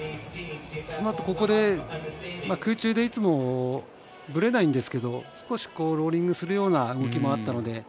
そのあと空中でいつもぶれないんですけど少しローリングするような動きもあったので。